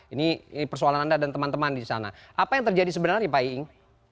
ini persoalan anda dan teman teman di sana apa yang terjadi sebenarnya pak iing